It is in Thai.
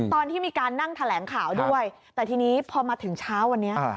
ตอนที่มีการนั่งแถลงข่าวด้วยแต่ทีนี้พอมาถึงเช้าวันนี้